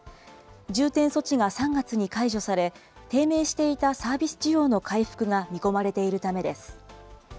重点措置が３月に解除され、低迷していたサービス需要の回復が見込まれているためです。